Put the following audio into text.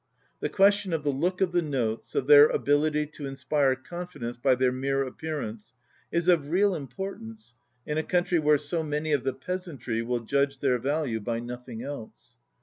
The question of the look of the notes, of their ability to inspire confidence by their mere appear ance, is of real importance in a country where so many of the peasantry will judge their value by nothing else.